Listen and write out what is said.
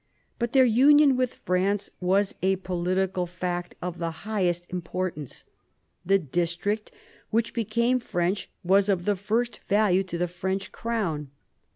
But their union with France was a political fact of the highest importance. The district which became French was of the first value to the French crown.